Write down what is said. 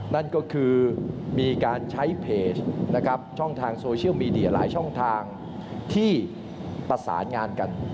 นั่นก็คือมีการใช้เพจนะครับช่องทางโซเชียลมีเดียหลายช่องทางที่ประสานงานกัน